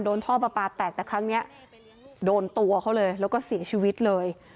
ท่อปลาปลาแตกแต่ครั้งนี้โดนตัวเขาเลยแล้วก็เสียชีวิตเลย